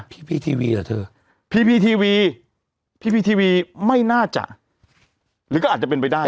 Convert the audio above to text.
พีทีวีเหรอเธอพีพีทีวีพี่พีทีวีไม่น่าจะหรือก็อาจจะเป็นไปได้